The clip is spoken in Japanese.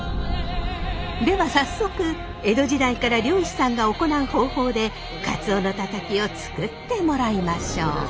では早速江戸時代から漁師さんが行う方法でカツオのタタキを作ってもらいましょう！